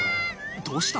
どうした？